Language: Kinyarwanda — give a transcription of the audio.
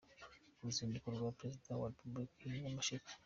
Uruzinduko rwa Perezida wa Repubulika i Nyamasheke